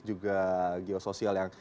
juga geososial yang